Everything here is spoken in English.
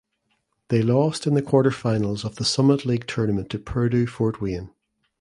They lost in the quarterfinals of the Summit League Tournament to Purdue Fort Wayne.